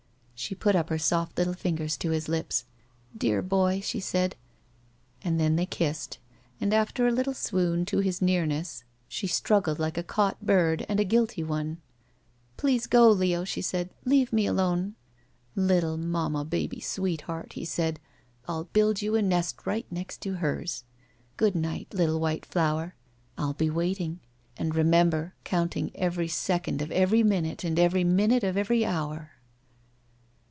She put up her soft little fingers to his lips. *'Dear boy," she said. And then t^ey kissed, and after a little swoon to his nearness she struggled like a caught bird and a guilty one. *' Please go, Leo," she said. "Leave me alone—" ''Little mamma baby sweetheart," he said, "X'U 44 SHE WALKS IN BEAUTY build you a nest right next to hers. Good night, little white flower. I'll be waiting, and remember, counting eveiy second of every minute and every minute of every hour.'